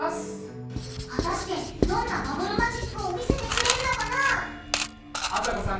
果たしてどんなバブルマジックを見せてくれるのかな？